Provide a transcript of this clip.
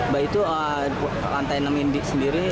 baik itu lantai enam indi sendiri